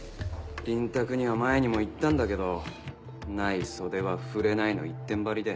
臨宅には前にも行ったんだけど「ない袖は振れない」の一点張りで。